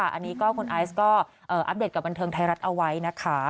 อันนี้ก็คุณไอซ์ก็อัปเดตกับบันเทิงไทยรัฐเอาไว้นะคะ